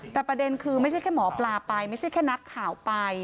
แต่ประเด็นคือไม่ใช่แค่หมอปลาไปไม่ใช่แค่นักข่าวไป